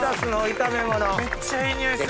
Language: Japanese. めっちゃいい匂いする。